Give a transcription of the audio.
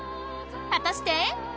果たして！？